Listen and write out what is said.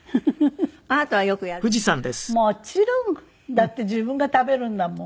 だって自分が食べるんだもん。